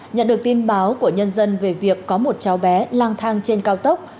nhận được tin báo của nhân dân về việc có một cháu bé lang thang trên cao tốc